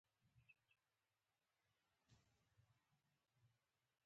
د بانکي سیستم له لارې د جرمونو مخه نیول کیږي.